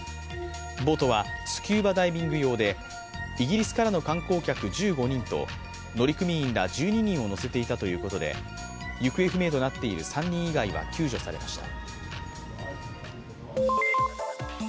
ボートはスキューバダイビング用でイギリスからの観光客１５人と乗組員ら１２人を乗せていたということで行方不明になっている３人以外は救助されました。